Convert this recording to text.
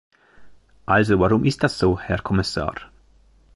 Also warum ist das so, Herr Kommissar?